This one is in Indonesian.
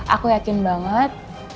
aku yakin banget